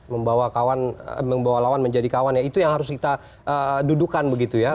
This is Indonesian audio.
membawa kawan membawa lawan menjadi kawan ya itu yang harus kita dudukan begitu ya